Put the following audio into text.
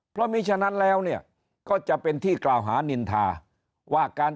เพราะมีฉะนั้นแล้วเนี่ยก็จะเป็นที่กล่าวหานินทาว่าการ